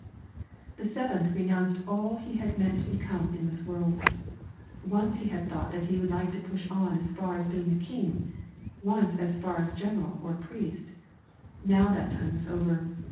The seventh renounced all he had meant to become in this world. Once he had thought that he would like to push on as far as being a king, once as far as general or priest; now that time was over.